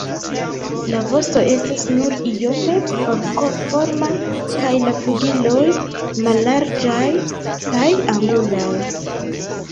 La vosto estas nur iome forkoforma kaj la flugiloj mallarĝaj kaj angulaj.